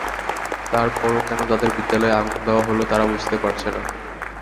তার পরও কেন তাদের বিদ্যালয়ে আগুন দেওয়া হলো তারা বুঝতে পারছে না।